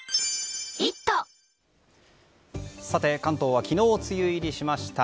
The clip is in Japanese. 関東は昨日、梅雨入りしました。